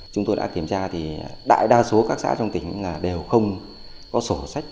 chúng tôi đã kiểm tra thì đại đa số các xã trong tỉnh đều không có sổ sách